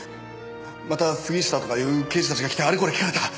また杉下とかいう刑事たちが来てあれこれ聞かれた。